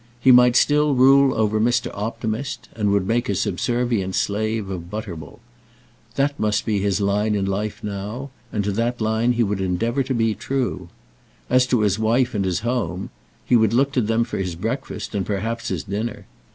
He might still rule over Mr. Optimist, and make a subservient slave of Butterwell. That must be his line in life now, and to that line he would endeavour to be true. As to his wife and his home, he would look to them for his breakfast, and perhaps his dinner.